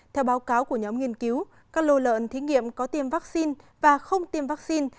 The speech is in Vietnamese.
theo báo cáo của nhóm nghiên cứu các lô lợn thí nghiệm có tiêm vaccine và không tiêm vaccine